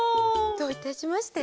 どういたしまして。